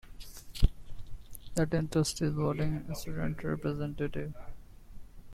The tenth trustee is a voting, student representative.